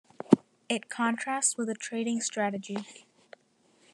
It contrasts with a trading strategy.